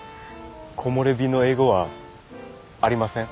木漏れ日の英語はありません。